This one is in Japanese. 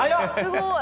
すごい。